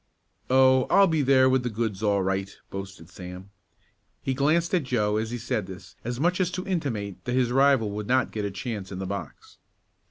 "Oh, I'll be there with the goods all right," boasted Sam. He glanced at Joe as he said this as much as to intimate that his rival would not get a chance in the box.